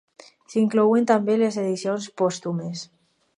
S'inclouen també les edicions pòstumes.